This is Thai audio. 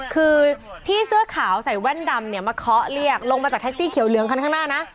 คือพี่เสื้อขาวใส่แว่นดำเนี่ยมาเคาะเรียกลงมาจากแท็กซี่เขียวเหลืองคันข้างหน้านะ